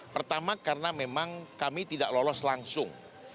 pertama karena memang kami tidak lolos langsung